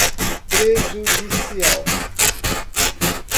prejudicial